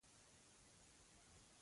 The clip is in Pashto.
زه غواړم نوې جامې واخلم.